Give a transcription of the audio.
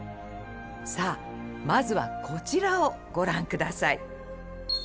さあまずはこちらをご覧下さい。